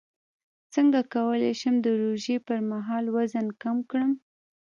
څنګه کولی شم د روژې پر مهال وزن کم کړم